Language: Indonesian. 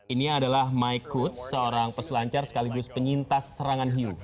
ini adalah mike coots seorang peselancar sekaligus penyintas serangan hiu